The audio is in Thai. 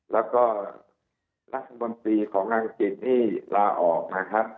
แล้วก็รัฐมนตรีของอังกฤษนี่ลาออกนะครับ